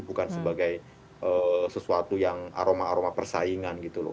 bukan sebagai sesuatu yang aroma aroma persaingan gitu loh